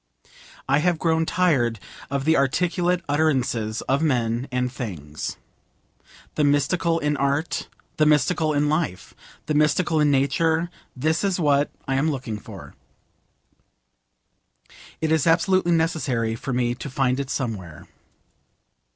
I have grown tired of the articulate utterances of men and things. The Mystical in Art, the Mystical in Life, the Mystical in Nature this is what I am looking for. It is absolutely necessary for me to find it somewhere.